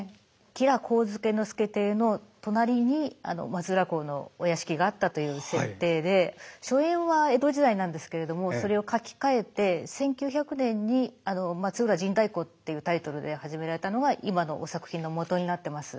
吉良上野介邸の隣に松浦侯のお屋敷があったという設定で初演は江戸時代なんですけれどもそれを書き換えて１９００年に「松浦陣太鼓」というタイトルで始められたのが今の作品のもとになってます。